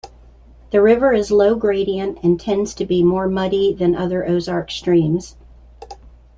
The river is low-gradient and tends to be more muddy than other Ozark streams.